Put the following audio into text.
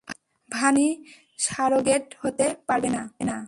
ভানু, উনি সারোগেট হতে পারবে না।